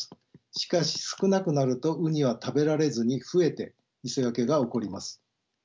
しかし少なくなるとウニは食べられずに増えて磯焼けが起こります。